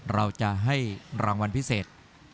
เราจะให้รางวัลพิเศษ